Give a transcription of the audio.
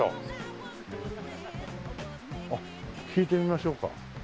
あっ聞いてみましょうか。